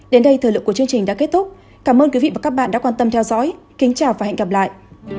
đến đây thời lượng của chương trình đã kết thúc cảm ơn quý vị và các bạn đã quan tâm theo dõi kính chào và hẹn gặp lại